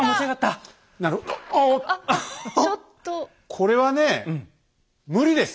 これはね無理です。